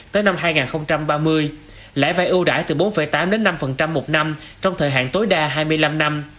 tới năm hai nghìn ba mươi lại phải ưu đải từ bốn tám đến năm một năm trong thời hạn tối đa hai mươi năm năm